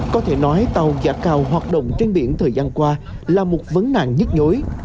có thể nói tàu giả cao hoạt động trên biển thời gian qua là một vấn nạn nhất nhối